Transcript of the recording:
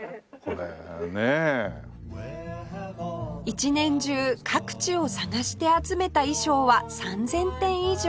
一年中各地を探して集めた衣装は３０００点以上